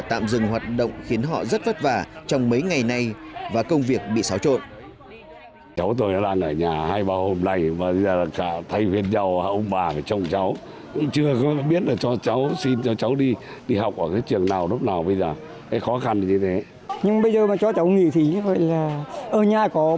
tạm dừng hoạt động khiến họ rất vất vả trong mấy ngày nay và công việc bị xáo trộn